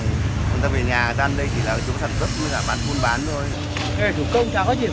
người ta về nhà người ta ăn ở đây chỉ là chỗ sản xuất người ta bán khuôn bán thôi